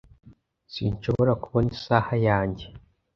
sinshobora kubona isaha yanjye